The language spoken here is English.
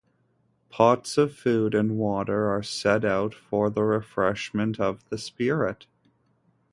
Pots of food and water are set out for the refreshment of the spirit.